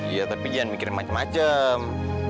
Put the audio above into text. iya tapi jangan mikirin macem macem